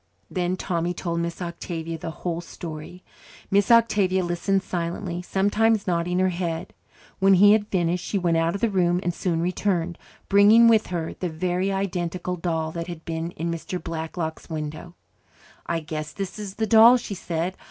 Then Tommy told Miss Octavia the whole story. Miss Octavia listened silently, sometimes nodding her head. When he had finished she went out of the room and soon returned, bringing with her the very identical doll that had been in Mr. Blacklock's window. "I guess this is the doll," she said.